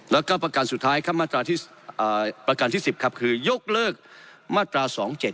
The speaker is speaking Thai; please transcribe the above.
แล้วก็ประการสุดท้ายครับมาตราที่ประการที่๑๐ครับคือยกเลิกมาตรา๒๗